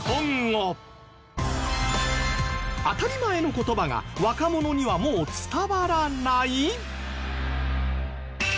当たり前の言葉が若者にはもう伝わらない！？